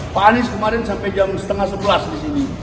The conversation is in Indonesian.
pak anies kemarin sampai jam setengah sebelas di sini